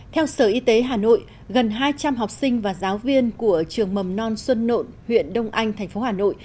theo sở y tế hà nội gần hai trăm linh học sinh và giáo viên của trường mầm non xuân nộn huyện đông anh tp hà nội